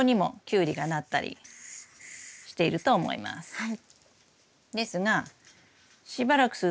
はい。